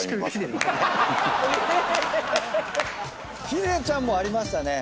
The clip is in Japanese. ヒデちゃんもありましたね。